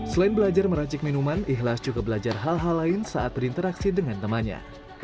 selain belajar meracik minuman ikhlas juga belajar hal hal lain saat berinteraksi dengan temannya